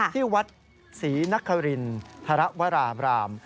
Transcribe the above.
ที่วัดศรีนักษรินทรวรราม